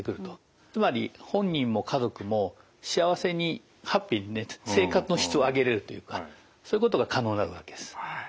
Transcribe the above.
つまり本人も家族も幸せにハッピーになって生活の質を上げれるというかそういうことが可能になるわけです。